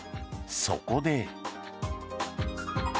そこで。